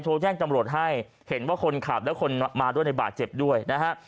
แจ้งจำรวจให้เห็นว่าคนขับและคนมาด้วยในบาดเจ็บด้วยนะฮะ